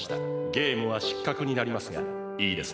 ゲームはしっかくになりますがいいですね？